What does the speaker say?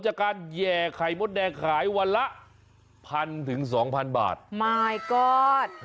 จากการแย่ไข่มดแดงขายวันละ๑๐๐๐๒๐๐๐บาทมายก็อด